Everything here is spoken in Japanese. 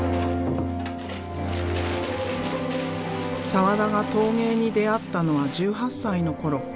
澤田が陶芸に出会ったのは１８歳の頃。